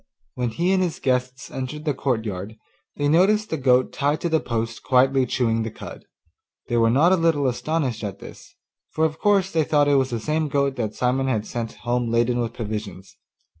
When he and his guests entered the courtyard, they noticed the goat tied to the post quietly chewing the cud. They were not a little astonished at this, for of course they thought it was the same goat that Simon had sent home laden with provisions.